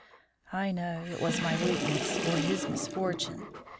"I know it was my weakness or his misfortune.